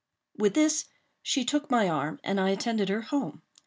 With this, she took my arm, and I attended her home.